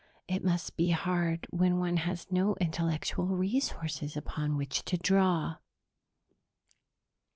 "It must be hard when one has no intellectual resources upon which to draw."